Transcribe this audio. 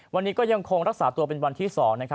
วันนี้ก็ยังคงรักษาตัวเป็นวันที่๒